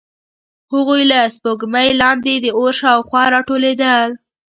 هغوی له سپوږمۍ لاندې د اور شاوخوا راټولېدل.